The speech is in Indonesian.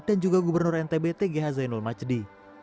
dan juga gubernur ntb tgh zainul macedi